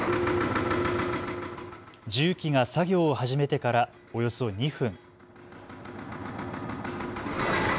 重機が作業を始めてからおよそ２分。